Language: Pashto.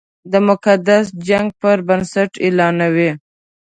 د مقدس جنګ پر بنسټ اعلانوي.